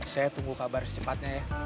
saya tunggu kabar secepatnya ya